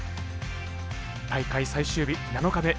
大会最終日７日目。